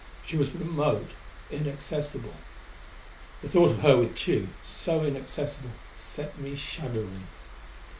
She was remote, inaccessible. The thought of her with Tugh, so inaccessible, set me shuddering.